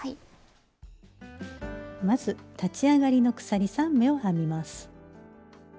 まず立ち上がりの鎖３目を編みます。